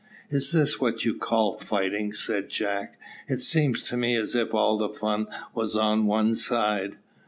"Is this what you call fighting?" said Jack. "It seems to me as if all the fun was on one side."